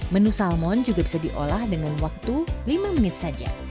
menu salmon juga bisa diolah dengan waktu lima menit saja